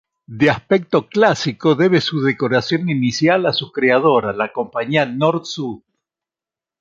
De aspecto clásico, debe su decoración inicial a su creadora, la compañía "Nord-Sud".